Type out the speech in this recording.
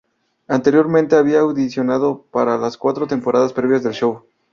Anteriormente había audicionado para las cuatro temporadas previas del show.